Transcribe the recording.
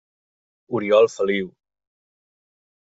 Oriol Feliu.